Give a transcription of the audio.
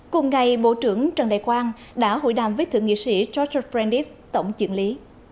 cùng ngày bộ trưởng trần đại quang đã hội đàm với thượng nghị sĩ george brandis tổng chỉnh lý